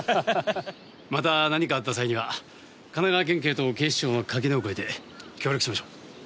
また何かあった際には神奈川県警と警視庁の垣根を越えて協力しましょう。